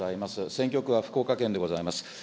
選挙区は福岡県でございます。